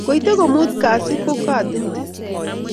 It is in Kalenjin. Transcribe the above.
kuite kumut kasi kukatinte